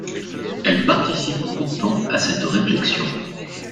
Elle participe pourtant à cette réflexion.